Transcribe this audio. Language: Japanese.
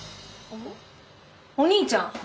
お兄ちゃん。